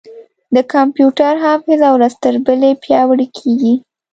د کمپیوټر حافظه ورځ تر بلې پیاوړې کېږي.